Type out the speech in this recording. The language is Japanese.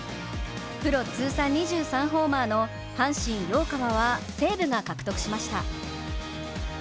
プロ通算２３ホーマーの阪神・陽川は西武が獲得しました。